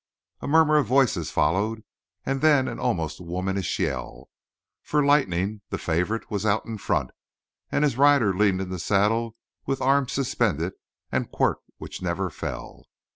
A murmur of voices followed, and then an almost womanish yell, for Lightning, the favorite, was out in front, and his rider leaned in the saddle with arm suspended and a quirt which never fell.